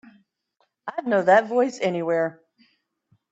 I'd know that voice anywhere.